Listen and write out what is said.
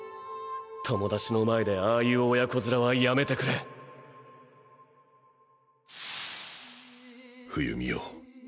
友達の前でああいう親子面はやめてくれ冬美よ